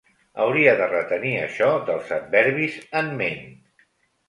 Hauria de retenir això dels adverbis en ment.